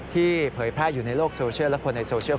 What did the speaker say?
เผยแพร่อยู่ในโลกโซเชียลและคนในโซเชียล